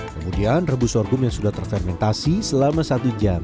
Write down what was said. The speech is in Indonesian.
kemudian rebus sorghum yang sudah terfermentasi selama satu jam